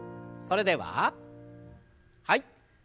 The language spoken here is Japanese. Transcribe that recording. それでははい。